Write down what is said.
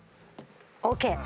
ＯＫ。